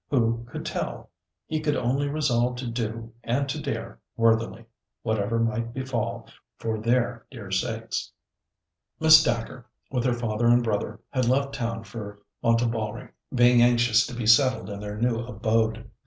Who could tell? He could only resolve to do and to dare worthily, whatever might befall, for their dear sakes. Miss Dacre, with her father and brother, had left town for Wantabalree, being anxious to be settled in their new abode.